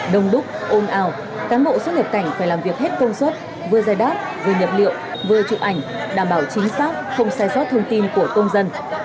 đông đúc ôn ào cán bộ xuất hiệp cảnh phải làm việc hết công suất vừa giải đáp vừa nhập liệu vừa trụ ảnh đảm bảo chính xác không sai sót thông tin của công dân